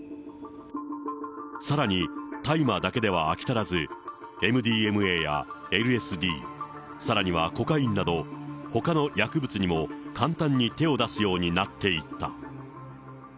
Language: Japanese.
さらに、大麻だけでは飽き足らず、ＭＤＭＡやＬＳＤ、さらにはコカインなど、ほかの薬物にも簡単に手を出すようになっていった。